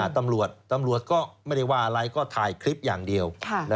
ตำรวจตำรวจก็ไม่ได้ว่าอะไรก็ถ่ายคลิปอย่างเดียว